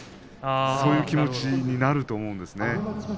そういう気持ちになると思うんですね。